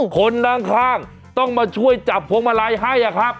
คนนั่งข้างต้องมาช่วยจับพวงมาลัยให้อะครับ